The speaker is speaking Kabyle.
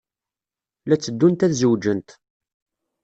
La tteddunt ad zewǧent.